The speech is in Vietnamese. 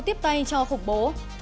tiếp tay cho khủng bố